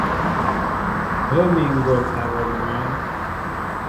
Hów mi ŋgɔl awɛm mwǎn.